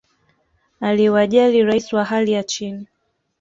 aliwajali rais wa hali ya chini